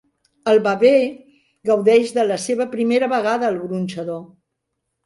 El bebè gaudeix de la seva primera vegada al gronxador.